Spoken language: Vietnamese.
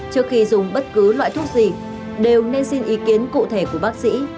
trước khi dùng bất cứ loại thuốc gì đều nên xin ý kiến cụ thể của bác sĩ